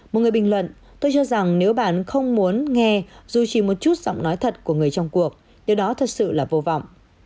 một người bình luận tôi cho rằng nếu bạn không muốn nghe dù chỉ một chút giọng nói thật của người trong cuộc điều đó thật sự là vô vọng